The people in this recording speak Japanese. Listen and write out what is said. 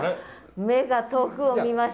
目が遠くを見ました。